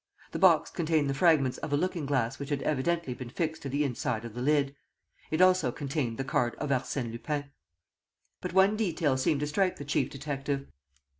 The box contained the fragments of a looking glass which had evidently been fixed to the inside of the lid. It also contained the card of Arsène Lupin. But one detail seemed to strike the chief detective.